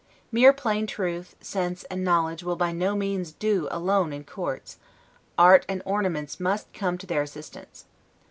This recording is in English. Mere plain truth, sense, and knowledge, will by no means do alone in courts; art and ornaments must come to their assistance.